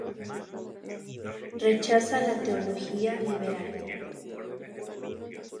Rechaza la teología liberal.